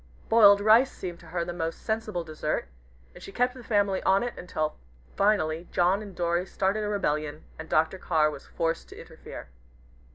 Boiled rice seemed to her the most sensible dessert, and she kept the family on it until finally John and Dorry started a rebellion, and Dr. Carr was forced to interfere.